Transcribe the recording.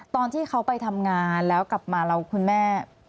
ตอนที่เขาไปทำงานแล้วกลับมาแล้วคุณแม่